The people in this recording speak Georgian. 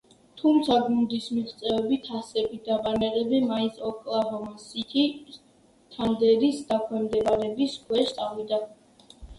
თუმცა გუნდის მიღწევები, თასები და ბანერები მაინც ოკლაჰომა-სიტი თანდერის დაქვემდებარების ქვეშ წავიდა.